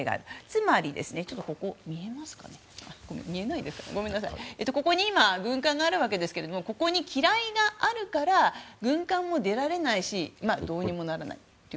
つまり、ここに今軍艦があるわけなんですがここに、機雷があるから軍艦も出られないしどうにもならないと。